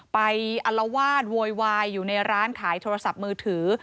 อลวาดโวยวายอยู่ในร้านขายโทรศัพท์มือถือ